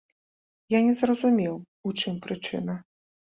Я не зразумеў, у чым прычына.